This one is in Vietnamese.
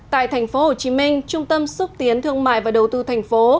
tại tp hcm trung tâm xúc tiến thương mại và đầu tư thành phố